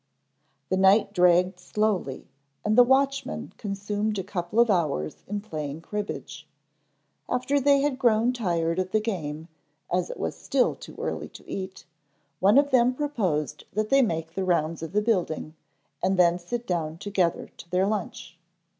The night dragged slowly and the watchmen consumed a couple of hours in playing cribbage. After they had grown tired of the game, as it was still too early to eat, one of them proposed that they make the rounds of the building and then sit down together to their lunch.